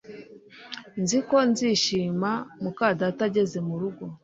Nzi ko nzishima muka data ageze murugo